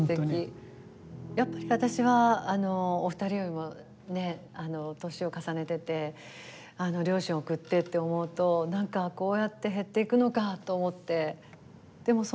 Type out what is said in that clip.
やっぱり私はお二人よりも年を重ねてて両親を送ってって思うと何かこうやって減っていくのかと思って。